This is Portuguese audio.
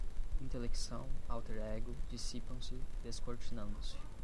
Intelecção, alter ego, dissipam-se, descortinando-se